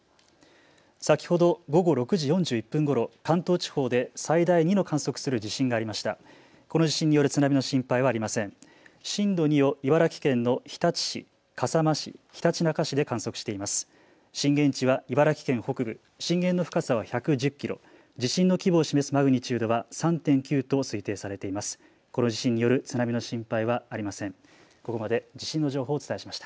先ほど午後６時４１分ごろ関東地方で最大２を観測する地震がありました。